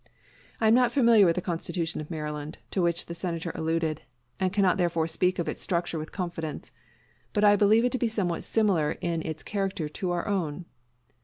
I am not familiar with the constitution of Maryland, to which the Senator alluded, and cannot therefore speak of its structure with confidence; but I believe it to be somewhat similar in its character to our own.